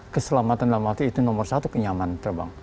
keselamatan dalam arti itu nomor satu kenyaman terbang